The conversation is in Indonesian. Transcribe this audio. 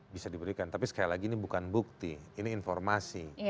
bisa diberikan tapi sekali lagi ini bukan bukti ini informasi